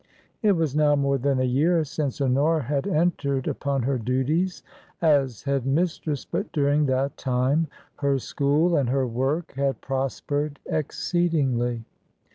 It was now more than a year since Honora had entered upon her duties as Head mistress, but during that time her school and her work had prospered exceedingly.